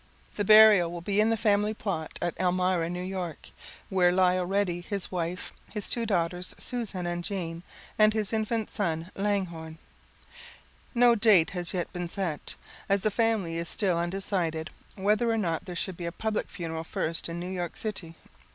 The burial will be in the family plot at Elmira, N.Y., where lie already his wife, his two daughters, Susan and Jean, and his infant son, Langhorne. No date has yet been set, as the family is still undecided whether or not there should be a public funeral first in New York City.